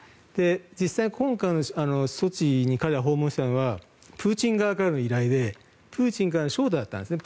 実際に今回の措置に彼らが訪問したのはプーチン側からの依頼でプーチンからの招待だったんですね。